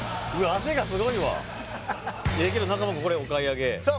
汗がすごいわええけど中間くんこれお買い上げさあ